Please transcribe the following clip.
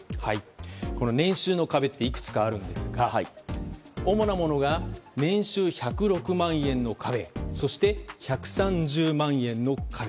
年収の壁っていくつかあるんですが主なものが、年収１０６万円の壁そして１３０万円の壁。